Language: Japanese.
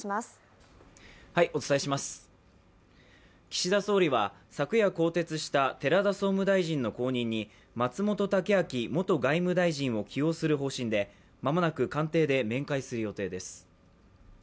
岸田総理は昨夜更迭した寺田総務大臣の後任に松本剛明元外務大臣を起用する方針で間もなく官邸で面会する予定です。